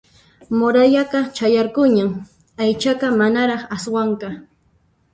Murayaqa chayarqunñan aychaqa manaraq aswanqa